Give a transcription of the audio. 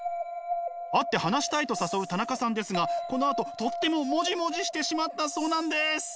会って話したいと誘う田中さんですがこのあととってもモジモジしてしまったそうなんです。